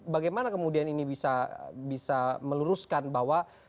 bagaimana kemudian ini bisa meluruskan bahwa